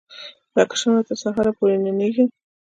لکه شمعه تر سهار پوري ننیږم